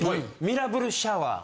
ミラブルシャワー。